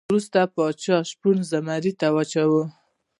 وروسته پاچا شپون زمري ته واچاوه.